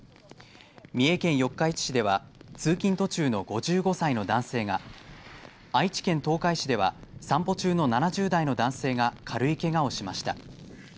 三重県四日市市では通勤途中の５５歳の男性が愛知県東海市では散歩中の７０代の男性が軽いけがをしました。